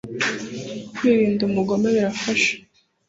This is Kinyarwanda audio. Kwirinda umugome birafasha